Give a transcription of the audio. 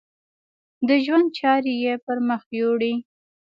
د ژوند چارې یې پر مخ یوړې.